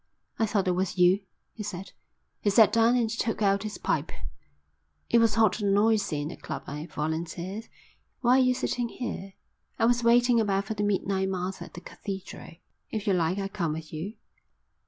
"I thought it was you," he said. He sat down and took out his pipe. "It was hot and noisy in the club," I volunteered. "Why are you sitting here?" "I was waiting about for the midnight mass at the Cathedral." "If you like I'll come with you."